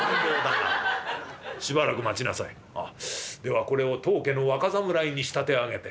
「あっではこれを当家の若侍に仕立て上げて。